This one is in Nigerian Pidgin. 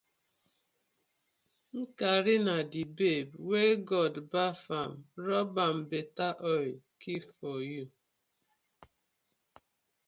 Nkari na di babe wey God baf am rob betta oil keep for yu.